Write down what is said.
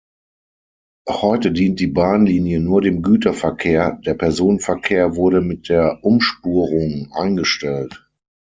Heute dient die Bahnlinie nur dem Güterverkehr, der Personenverkehr wurde mit der Umspurung eingestellt.